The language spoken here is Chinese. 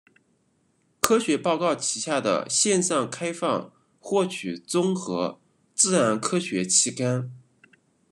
科学报告旗下的线上开放获取综合自然科学期刊。